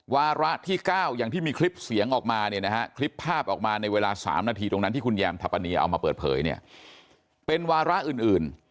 วาระที่๙อย่างที่มีคลิปเสียงออกมาเนี่ยนะฮะคลิปภาพออกมาในเวลา๓นาทีตรงนั้นที่คุณแยมถัปนีเอามาเปิดเผยเนี่ยเป็นวาระอื่น